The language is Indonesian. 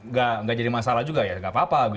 nggak jadi masalah juga ya nggak apa apa